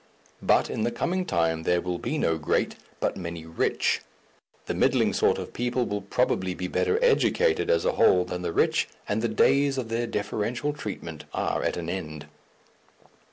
But in the coming time there will be no Great, but many rich, the middling sort of people will probably be better educated as a whole than the rich, and the days of their differential treatment are at an end.